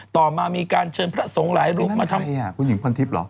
ต่อมามีการเชินพระศงหลายลูกมาทำนั้นใครอ่ะคุณหญิงคนทิศหรอ